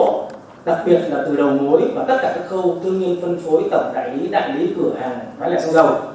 là do các hoạt động thu lỗ đặc biệt là từ đầu mối và tất cả các khâu thương nghiên phân phối tổng đại lý đại lý cửa hàng bán lẻ xăng dầu